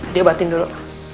dih obatin dulu